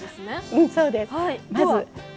うんそうです。